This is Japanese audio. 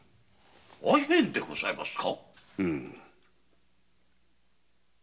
「アヘン」でございますか！？